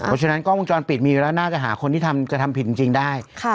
เพราะฉะนั้นกล้องวงจรปิดมีอยู่แล้วน่าจะหาคนที่กระทำผิดจริงได้